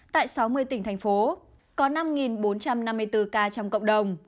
tại sáu mươi tỉnh thành phố có năm bốn trăm năm mươi bốn ca trong cộng đồng